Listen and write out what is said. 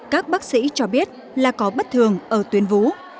các bác sĩ cho biết là có bất thường ở tuyến vú